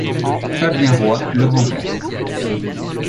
Fabien Roy le remplace.